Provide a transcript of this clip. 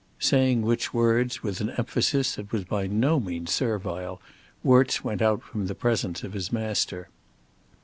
Saying which words, with an emphasis that was by no means servile, Worts went out from the presence of his master.